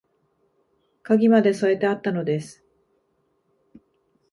鍵まで添えてあったのです